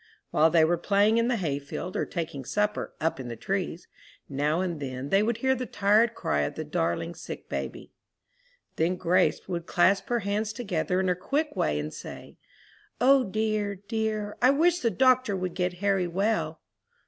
While they were playing in the hay field, or taking supper "up in the trees," now and then they would hear the tired cry of the darling sick baby. Then Grace would clasp her hands together in her quick way, and say, "O dear, dear, I wish the doctor would get Harry well."